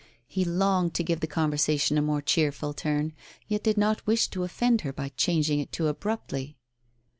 He longed to give the conversation a more cheerful turn, yet did not wish tp offend her by changing it too abruptly.